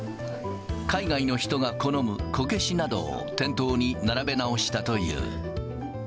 海外の人が好むこけしなどを、店頭に並べ直したという。